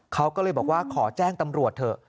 เขาก็เลยบอกว่าขอแจ้งตำรวจเถอะ